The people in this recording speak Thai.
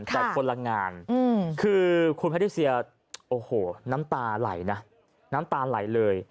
จากคนละงานคือคุณแพทิเซียโอ้โหน้ำตาไหลนะน้ำตาไหลเลย